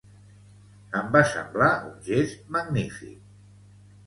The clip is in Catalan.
Em va semblar un gest magnífic.